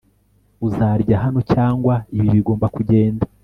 uzarya hano cyangwa ibi bigomba kugenda